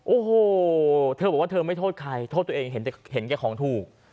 โอ้โหเธอบอกว่าเธอไม่โทษใครโทษตัวเองเห็นแต่เห็นแก่ของถูก